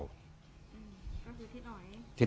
ก็คือทิศออย